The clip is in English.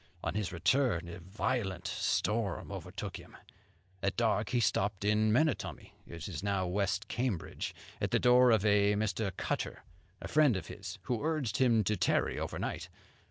On his return a violent storm overtook him. At dark he stopped in Menotomy (now West Cambridge), at the door of a Mr. Cutter, a friend of his, who urged him to tarry overnight.